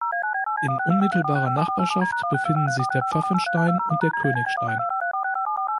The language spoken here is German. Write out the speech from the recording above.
In unmittelbarer Nachbarschaft befinden sich der Pfaffenstein und der Königstein.